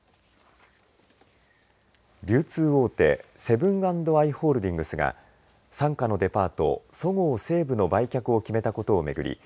流通大手セブン＆アイ・ホールディングスが傘下のデパート、そごう・西武の売却を決めたことを巡り